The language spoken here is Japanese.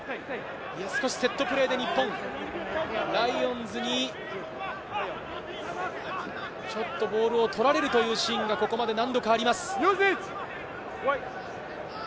セットプレーで日本がライオンズにちょっとボールを取られるというシーンが、ここまで何度かあります。